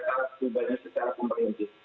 kita juga menyegut bagaimana perlindungan data